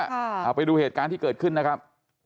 เอาไปดูเหตุการณ์ที่เกิดขึ้นนะครับ